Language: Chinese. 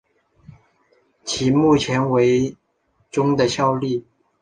其目前为中的效力。